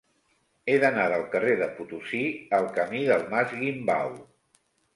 He d'anar del carrer de Potosí al camí del Mas Guimbau.